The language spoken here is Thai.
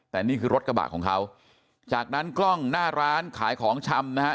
แต่นี่คือรถกระบะของเขาจากนั้นกล้องหน้าร้านขายของชำนะฮะ